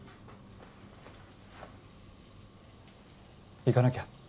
行かなきゃ。